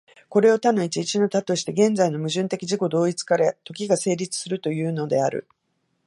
これを多の一、一の多として、現在の矛盾的自己同一から時が成立するというのである。